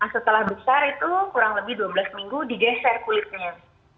setelah besar itu kurang lebih dua belas minggu digeser kulitnya